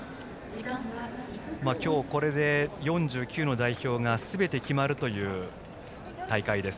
今日これで４９の代表がすべて決まるという大会です。